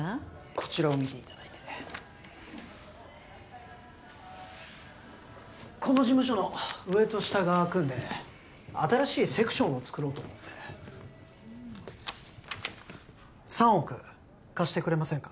こちらを見ていただいてこの事務所の上と下が空くんで新しいセクションを作ろうと思って３億貸してくれませんか？